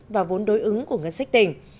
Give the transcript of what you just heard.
và vốn đối ứng của ngân sách tỉnh